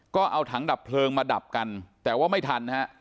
ก็เอาถังดับเพลิงมาดับกันแต่ว่าไม่ทันฮะ